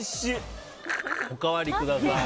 おかわりください！